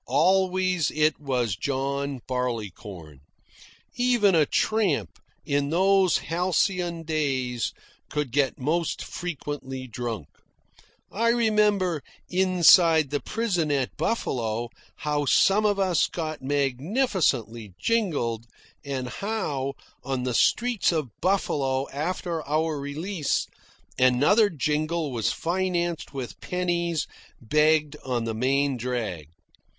Always it was John Barleycorn. Even a tramp, in those halcyon days, could get most frequently drunk. I remember, inside the prison at Buffalo, how some of us got magnificently jingled, and how, on the streets of Buffalo after our release, another jingle was financed with pennies begged on the main drag.